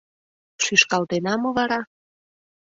Шӱшкалтена мо вара?